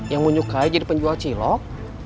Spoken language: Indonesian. yang menyukai jadi penjual cilok